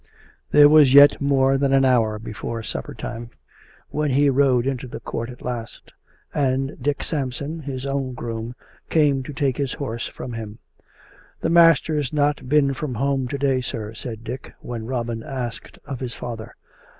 There was yet more than an hour before supper time when he rode into the court at last; and Dick Sampson, his own groom, came to take his horse from him. " The master's not been from home to day, sir," said Dick when Robin asked of his father.